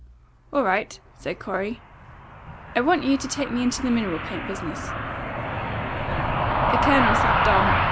"All right," said Corey. "I want you to take me into the mineral paint business." The Colonel sat dumb.